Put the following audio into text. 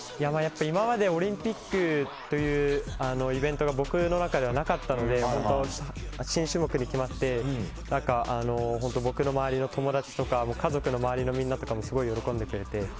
やっぱり今までオリンピックというイベントが僕の中では、なかったので新種目で決まって本当、僕の周りの友達とか家族の周りのみんなとかもすごく喜んでくれて。